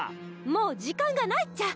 もう時間がないっちゃ。